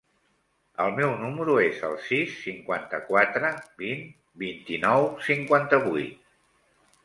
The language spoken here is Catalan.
El meu número es el sis, cinquanta-quatre, vint, vint-i-nou, cinquanta-vuit.